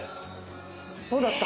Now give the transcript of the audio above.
そうだった。